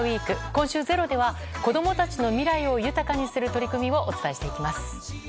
今週「ｚｅｒｏ」では子供たちの未来を豊かにする取り組みをお伝えしていきます。